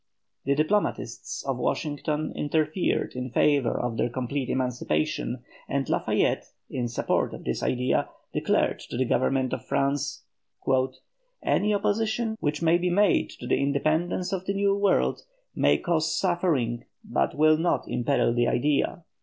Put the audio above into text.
The diplomatists of Washington interfered in favour of their complete emancipation, and Lafayette, in support of this idea, declared to the Government of France: "Any opposition which may be made to the independence of the New World may cause suffering but will not imperil the idea."